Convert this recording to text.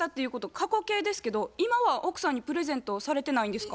過去形ですけど今は奥さんにプレゼントをされてないんですか？